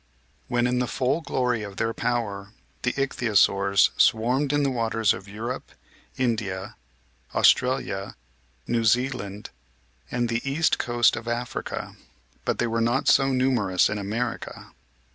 When in the full glory of their power, the Ich thyosaurs swarmed in the waters of Europe, India, Australia, New Zealand, and the east coast of Africa ; but they were not so numerous in America.